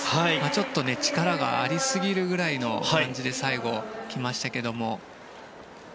ちょっと力がありすぎるぐらいの感じで最後、来ましたけども。